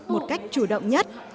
một cách chủ động nhất